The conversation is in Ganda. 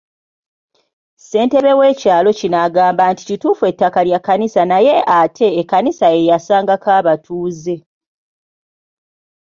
Ssentebe w'ekyalo kino agamba kituufu ettaka lya Kkanisa naye ate Ekkanisa ye yasangako abatuuze.